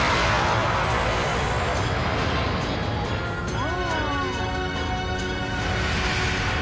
お。